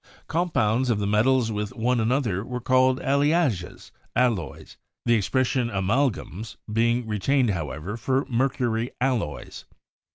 Compounds of the metals with one another were called 'alliages* (alloys), the expression 'amalgames' being re tained, however, for mercury alloys.